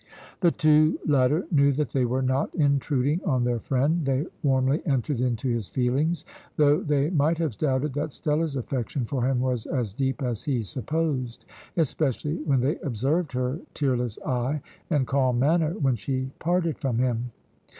The two latter knew that they were not intruding on their friend. They warmly entered into his feelings, though they might have doubted that Stella's affection for him was as deep as he supposed, especially when they observed her tearless eye and calm manner when she parted from him.